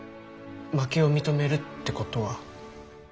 負けを認めるってことは。